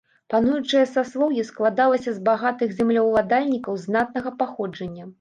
Пануючае саслоўе складалася з багатых землеўладальнікаў знатнага паходжання.